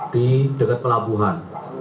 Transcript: di dekat pelabuhan